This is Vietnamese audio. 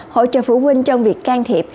hỗ trợ phụ huynh trong việc can thiệp